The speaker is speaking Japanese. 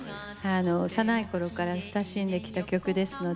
幼いころから親しんできた曲ですので。